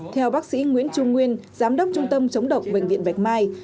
theo bác sĩ nguyễn trung nguyên giám đốc trung tâm chống độc bệnh viện bạch mai